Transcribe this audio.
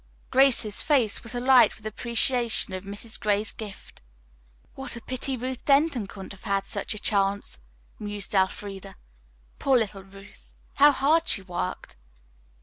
Grace's face was alight with appreciation of Mrs. Gray's gift. "What a pity Ruth Denton couldn't have had such a chance," mused Elfreda. "Poor little Ruth, how hard she worked."